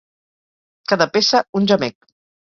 Cada peça un gemec.